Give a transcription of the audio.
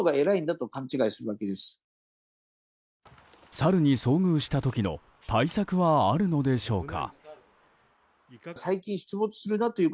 サルに遭遇した時の対策はあるのでしょうか。